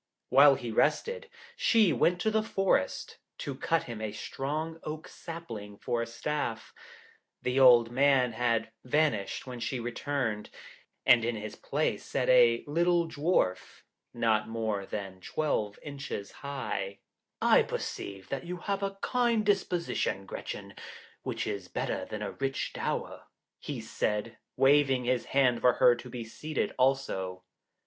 While he rested, she went to the forest, to cut him a strong oak sapling for a staff. The old man had vanished when she returned, and in his place sat a little Dwarf, not more than twelve inches high. [Illustration: In the old man's place sat a little Dwarf.] 'I perceive that you have a kind disposition, Gretchen, which is better than a rich dower,' he said, waving his hand for her to be seated also.